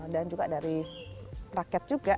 dan juga dari rakyat juga